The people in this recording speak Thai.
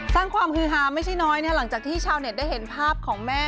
สร้างความฮือฮาไม่ใช่น้อยหลังจากที่ชาวเน็ตได้เห็นภาพของแม่